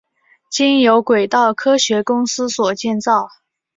经由轨道科学公司所建造。